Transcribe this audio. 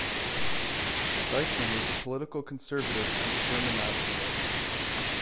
Thyssen was a political conservative and a German nationalist.